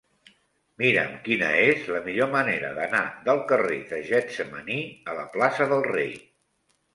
Mira'm quina és la millor manera d'anar del carrer de Getsemaní a la plaça del Rei.